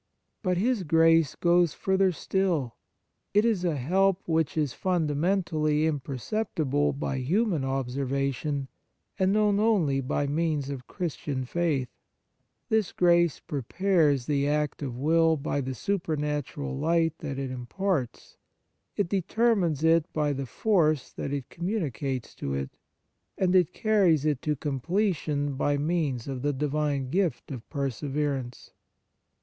But His grace goes further still : it is a help which is fundamentally imperceptible by human observation, and known only by means of Christian On Piety faith. This grace prepares the act of will by the supernatural light that it imparts; it determines it by the force that it communicates to it ; and it carries it to completion by means of the divine gift of perseverance.